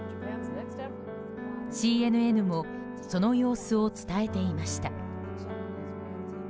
ＣＮＮもその様子を伝えていました。